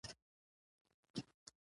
نوموړي همدرانګه هغه هڅي شریکي کړې